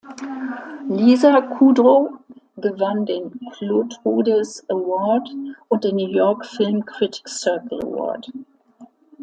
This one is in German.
Lisa Kudrow gewann den "Chlotrudis Award" und den "New York Film Critics Circle Award".